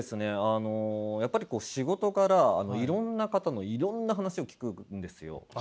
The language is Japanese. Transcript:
あのやっぱりこう仕事柄いろんな方のいろんな話を聞くんですよ。